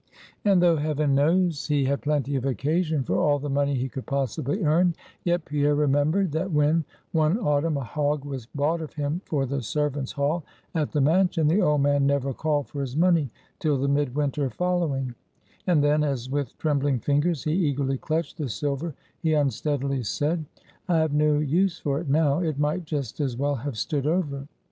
And though, heaven knows, he had plenty of occasion for all the money he could possibly earn, yet Pierre remembered, that when, one autumn, a hog was bought of him for the servants' hall at the Mansion, the old man never called for his money till the midwinter following; and then, as with trembling fingers he eagerly clutched the silver, he unsteadily said, "I have no use for it now; it might just as well have stood over."